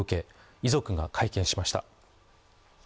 遺族が会見しました。